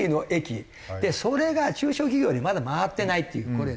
それが中小企業にまだ回ってないっていうこれですね。